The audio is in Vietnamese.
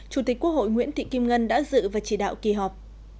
chủ tịch quốc hội nguyễn thị kim ngân đã dự và chỉ đạo kỳ họp